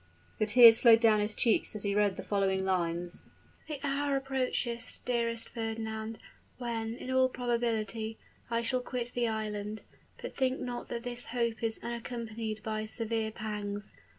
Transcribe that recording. The tears flowed down his cheeks as he read the following lines: "The hour approaches, dearest Fernand, when, in all probability, I shall quit the island. But think not that this hope is unaccompanied by severe pangs.